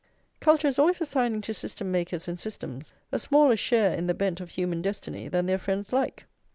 Culture is always assigning to system makers and systems a smaller share in the bent of human destiny than their friends like.